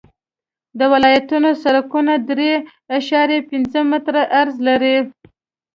د ولایتونو سرکونه درې اعشاریه پنځه متره عرض لري